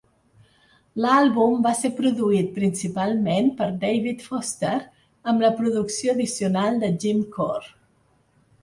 L'àlbum va ser produït principalment per David Foster, amb la producció addicional de Jim Corr.